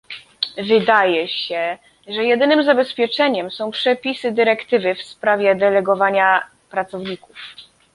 Wydaje się, że jedynym zabezpieczeniem są przepisy dyrektywy w sprawie delegowania pracowników